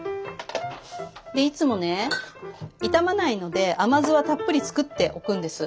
でいつもね傷まないので甘酢はたっぷり作っておくんです。